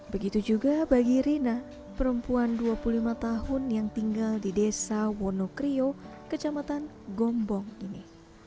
begitu juga bagi rina perempuan dua puluh lima tahun yang tinggal di desa wonokrio kecamatan gombong ini